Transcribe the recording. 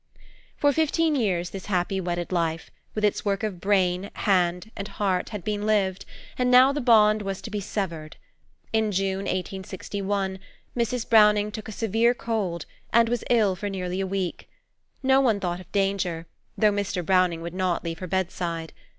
For fifteen years this happy wedded life, with its work of brain and hand, had been lived, and now the bond was to be severed. In June, 1861, Mrs. Browning took a severe cold, and was ill for nearly a week. No one thought of danger, though Mr. Browning would not leave her bedside.